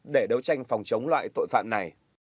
để đấu tranh phòng chống loại tội phạm này